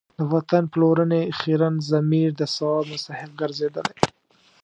د وطن پلورنې خیرن ضمیر د ثواب مستحق ګرځېدلی.